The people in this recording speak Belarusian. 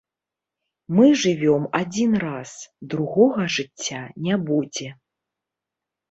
Мы жывём адзін раз, другога жыцця не будзе.